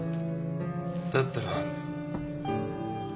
だったら。